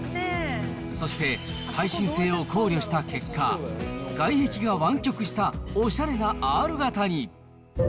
そして、耐震性を考慮した結果、外壁が湾曲したおしゃれなアール型に。